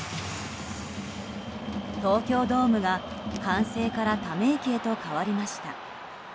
東京ドームが歓声からため息へと変わりました。